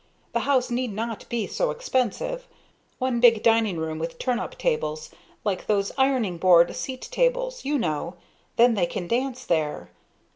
The house need not be so expensive; one big dining room, with turn up tables like those ironing board seat tables, you know then they can dance there.